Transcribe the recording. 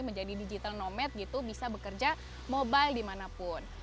menjadi digital nomad bisa bekerja mobile dimanapun